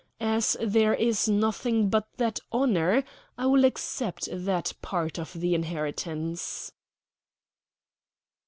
As there is nothing but that honor, I will accept that part of the inheritance."